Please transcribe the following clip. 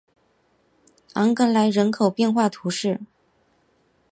昂格莱人口变化图示